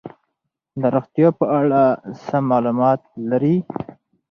د روغتیا په اړه سم معلومات لري.